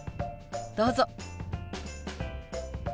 どうぞ。